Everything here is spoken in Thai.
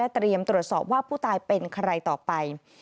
เตรียมตรวจสอบว่าผู้ตายเป็นใครต่อไป